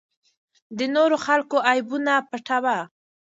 د نورو خلکو عیبونه پټوه.